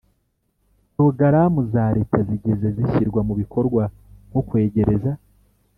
porogaramu za Leta zigeze zishyirwa mu bikorwa nko kwegereza